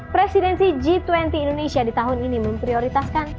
presidensi g dua puluh indonesia di tahun ini memprioritaskan